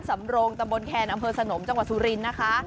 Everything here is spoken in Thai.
สำโรงตำบลแคนอำเภอสนมจังหวัดสุรินทร์นะคะ